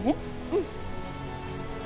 うん！